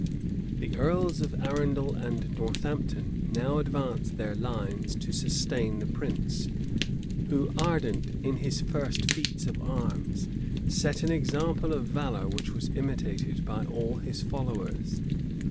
The earls of Arundel and Northampton now advanced their line to sustain the prince, who, ardent in his first feats of arms, set an example of valor which was imitated by all his followers.